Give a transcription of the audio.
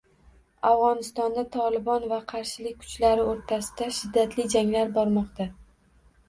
Afg‘onistonda Tolibon va qarshilik kuchlari o‘rtasida shiddatli janglar bormoqda